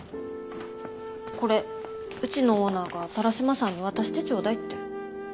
これうちのオーナーが田良島さんに渡してちょうだいって。